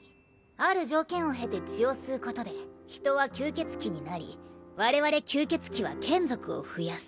ある条件を経て血を吸うことで人は吸血鬼になりわれわれ吸血鬼は眷属を増やす。